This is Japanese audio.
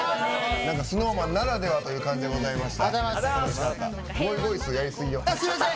ＳｎｏｗＭａｎならではという感じでした。